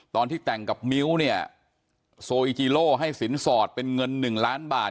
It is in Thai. ตอนที่แต่งกับมิ้วเนี่ยโซอิจีโลให้สินสอดเป็นเงิน๑ล้านบาท